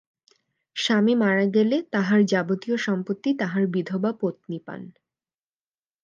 স্বামী মারা গেলে তাঁহার যাবতীয় সম্পত্তি তাঁহার বিধবা পত্নী পান।